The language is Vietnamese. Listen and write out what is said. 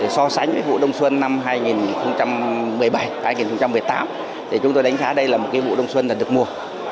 so sánh với vụ đông xuân năm hai nghìn một mươi bảy hai nghìn một mươi tám chúng tôi đánh giá đây là một vụ đông xuân được mùa